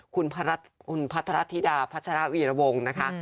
คุณพัทรธิดาพัชรวีรวงนะคะ